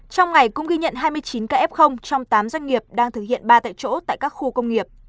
trong ngày cũng ghi nhận hai mươi chín k trong tám doanh nghiệp đang thực hiện ba tại chỗ tại các khu công nghiệp